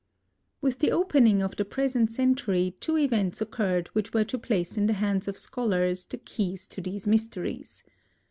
With the opening of the present century two events occurred which were to place in the hands of scholars the keys to these mysteries.